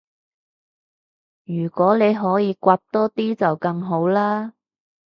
如果你可以搲多啲就更好啦